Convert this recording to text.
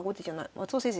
松尾先生